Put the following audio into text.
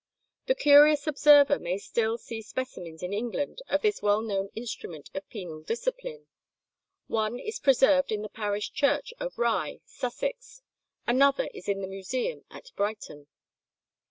The curious observer may still see specimens in England of this well known instrument of penal discipline: one is preserved in the parish church of Rye, Sussex, another is in the museum at Brighton.